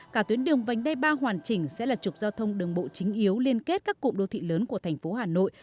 cả tuyến đường vành đai ba hoàn chỉnh sẽ là trục giao thông đường bộ chính yếu liên kết các cụm đô thị lớn của thành phố hà nội